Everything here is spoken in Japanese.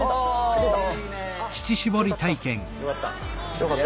よかった。